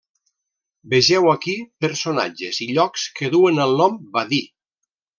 Vegeu aquí personatges i llocs que duen el nom Badí.